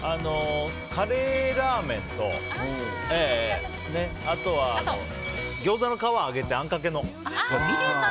カレーラーメンとあとは、ギョーザの皮揚げたあんかけのやつ。